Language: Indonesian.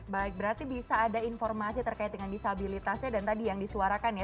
baik berarti bisa ada informasi terkait dengan disabilitasnya dan tadi yang disuarakan ya